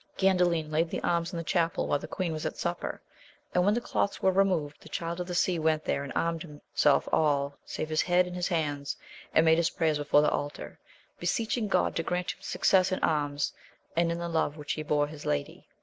Gandalin laid the arms in the chapel, while the queen was at supper ; and, when the cloths were removed, the Child of the Sea went there, and armed himself all, save his head and his hands, and made his prayer before the altar, be seeching God to grant him success in arms, and in the love which he bore his lady.